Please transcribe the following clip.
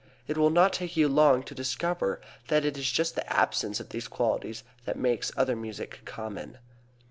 It will not take you long to discover that it is just the absence of these qualities that makes other music common.